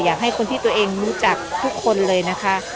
อยากให้คนที่ตัวเองรู้จักทุกคนเลยนะคะ